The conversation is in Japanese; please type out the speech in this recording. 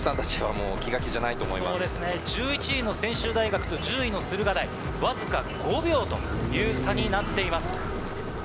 そうですね、１１位の専修大学と１０位の駿河台、僅か５秒という差になっています。